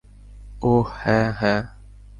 ওহ, হ্যাঁ, হ্যাঁ।